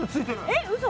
えっうそ？